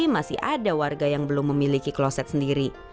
masih ada warga yang belum memiliki kloset sendiri